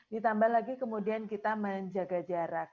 ditambah lagi kemudian kita menjaga jarak